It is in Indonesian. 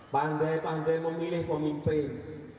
pandai pandai memilih pemimpin